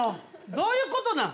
どういうことなん？